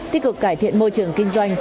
tích cực cải thiện môi trường kinh doanh